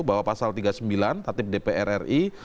bahwa pasal tiga puluh sembilan tatip dpr ri